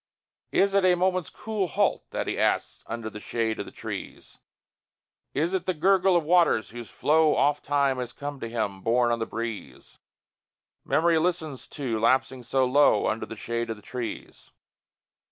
Is it a moment's cool halt that he asks Under the shade of the trees? Is it the gurgle of waters whose flow Ofttime has come to him, borne on the breeze, Memory listens to, lapsing so low, Under the shade of the trees?